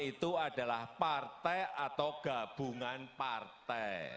itu adalah partai atau gabungan partai